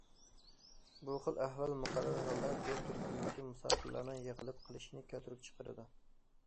بۇ خىل ئەھۋال مۇقەررەر ھالدا زور تۈركۈمدىكى مۇساپىرلارنىڭ يىغىلىپ قېلىشىنى كەلتۈرۈپ چىقىرىدۇ.